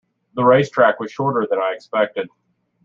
The race track was shorter than I expected.